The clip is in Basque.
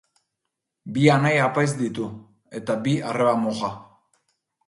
Bi anai apaiz ditu, eta bi arreba moja.